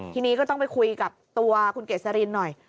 ทีนี้ก็ต้องไปคุยกับตัวคุณเกษรินหน่อย